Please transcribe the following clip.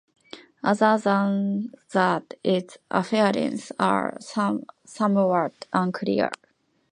Other than that, its affinities are somewhat unclear.